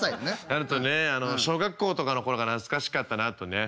あとね小学校とかの頃が懐かしかったなとね。